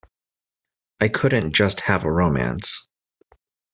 I couldn't just have a romance.